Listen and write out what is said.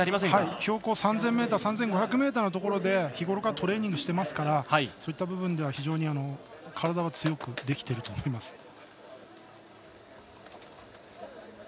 標高３０００ｍ３５００ｍのところで日ごろからトレーニングをしていますからそういった部分では非常に体は強くできていると思います。